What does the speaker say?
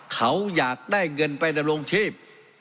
เขาอยากได้เงินไปดำรงชีพ